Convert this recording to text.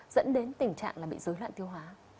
dẫn đến tình trạng là bị dối loạn tiêu hóa